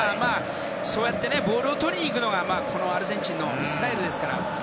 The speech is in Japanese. そうやってボールをとりにいくのがアルゼンチンのスタイルですから。